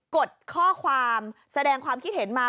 ดข้อความแสดงความคิดเห็นมา